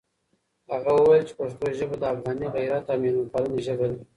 هغه وویل چې پښتو ژبه د افغاني غیرت او مېلمه پالنې ژبه ده.